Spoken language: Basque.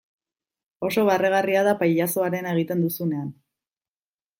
Oso barregarria da pailazoarena egiten duzunean.